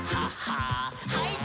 はい。